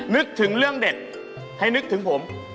นึกถึงเรื่องเด็ดให้นึกถึงผม